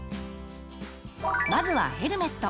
まずはヘルメット。